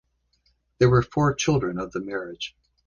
There were four children of the marriage.